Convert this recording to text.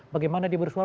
bagaimana dia bersuara